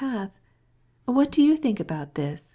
What do you think about it?"